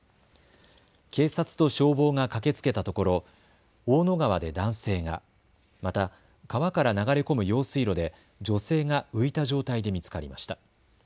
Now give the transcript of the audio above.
警察と消防が駆けつけたところ大野川で男性が、また川から流れ込む用水路で女性が浮いた状態で見つかりました。